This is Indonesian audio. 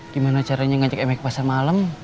gimana caranya ngajak emek ke pasar malam